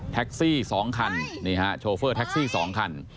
แท็กซี่สองคันโชเฟอร์แท็กซี่สองคัน